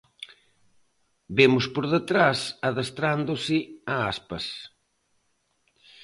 Vemos por detrás adestrándose a Aspas.